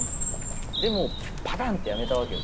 でもパタンとやめたわけよ。